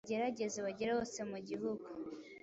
bagerageze bagere hose mugihugu